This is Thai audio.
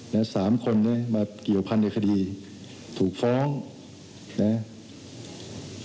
นะฮะ๓คนเนี่ยมาเกี่ยวพันธุ์ที่คดีถูกฟ้องนะฮะ